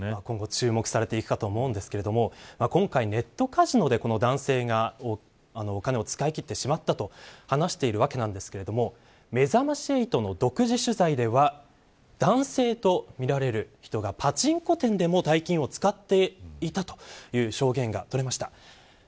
今後、注目されていくかと思いますが今回、ネットカジノで男性がお金を使い切ってしまったと話しているわけですがめざまし８の独自取材では男性とみられる人がパチンコ店でも大金を使っていたという証言が取れました。